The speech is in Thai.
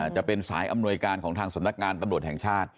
จะเป็นสายอำนวยการของทางสำนักงานตำรวจแห่งชาติ